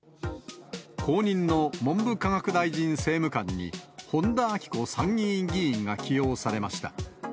後任の文部科学大臣政務官に本田顕子参議院議員が起用されました。